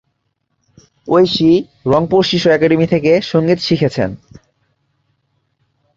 ঐশী "রংপুর শিশু একাডেমি" থেকে সঙ্গীত শিখেছেন।